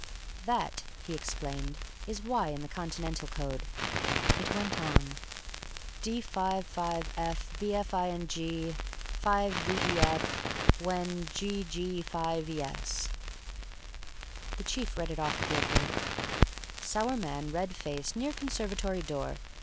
"That," he explained, "is Y in the Continental code." It went on: "d55f bfing 5vef when g g5es." The chief read it off glibly: "Stout man, red face, near conservatory door.